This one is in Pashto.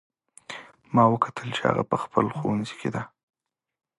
ما وکتل چې هغه په خپل ښوونځي کې ده